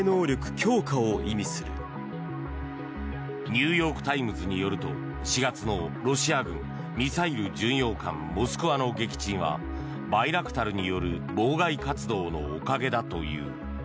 ニューヨーク・タイムズによると４月のロシア軍ミサイル巡洋艦「モスクワ」の撃沈はバイラクタルによる妨害活動のおかげだという。